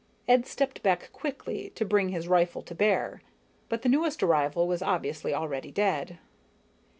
Ed stepped back quickly to bring his rifle to bear, but the newest arrival was obviously already dead.